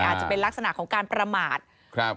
อาจจะเป็นลักษณะของการประมาทครับ